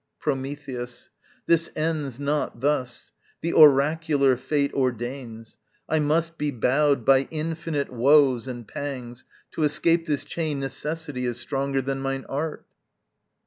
Prometheus. This ends not thus, The oracular fate ordains. I must be bowed By infinite woes and pangs, to escape this chain Necessity is stronger than mine art.